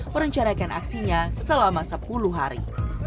merencanakan aksinya selama sepuluh hari